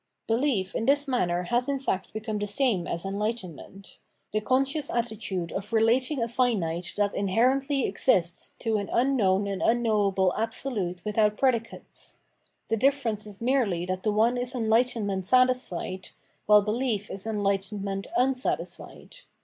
Behef in this manner has in fact become the same as enhghtenment — the conscious attitude of relating a finite that inherently exists to an unknown and un knowable Absolute without predicates ; the difference is merely that the one is enhghtenment satisfied, while behef is enhghtenment unsatisfied.!